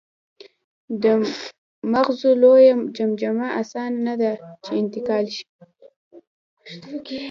د مغزو لویه جمجمه اسانه نهده، چې انتقال شي.